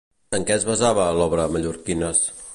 En què es basava l'obra Mallorquines?